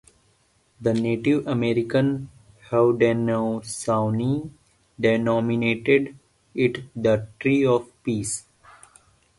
The Native American Haudenosaunee denominated it the "Tree of Peace".